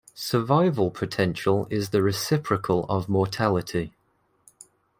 Survival potential is the reciprocal of mortality.